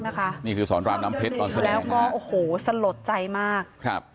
แล้วเหลือก็โอ้โหสลดใจมาก